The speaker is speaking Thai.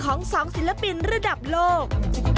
ของ๒ศิลปินระดับโลก